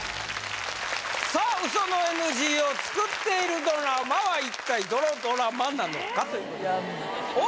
さあウソのＮＧを作っているドラマは一体どのドラマなのかということです